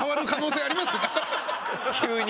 急に？